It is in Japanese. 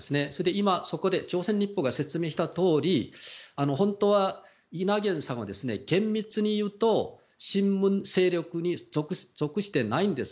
今、そこで朝鮮日報が説明したとおり本当はイ・ナギョンさんは厳密にいうと親文勢力に属していないんです。